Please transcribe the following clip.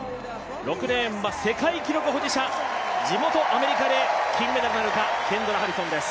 ６レーンは世界記録保持者、地元アメリカで金メダルなるか、ケンドラ・ハリソンです。